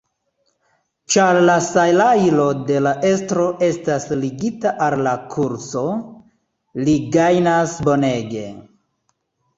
Ĉar la salajro de l’ estro estas ligita al la kurzo, li gajnas bonege.